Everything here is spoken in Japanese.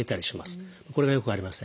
これが良くありません。